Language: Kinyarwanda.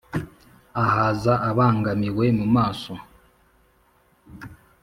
Ahaza abangamiwe mu maso,